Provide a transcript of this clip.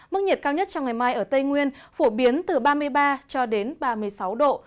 mức nhiệt cao nhất trong ngày mai ở tây nguyên phổ biến từ ba mươi ba cho đến ba mươi sáu độ